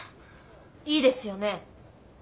いいですよね？